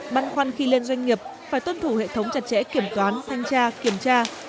băn khoăn khi lên doanh nghiệp phải tuân thủ hệ thống chặt chẽ kiểm toán thanh tra kiểm tra